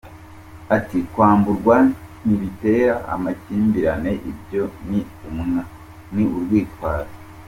Ati “Kwamburwa ntibitera amakimbirane, ibyo ni urwitwazo.